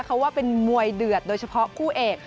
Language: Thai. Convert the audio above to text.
เขาว่าเป็นมวยเดือดโดยเฉพาะคู่เอก